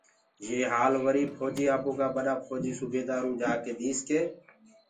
يي هوآل وريٚ ڦوجيٚ آپوڪآ ٻڏآ ڦوجيٚ سوبيدآروُ جآڪي ديس ڪي